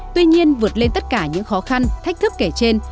tuy nhiên vượt lên tất cả những khó khăn thách thức kể trên